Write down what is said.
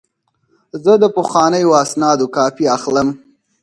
زه د پخوانیو اسنادو کاپي اخلم.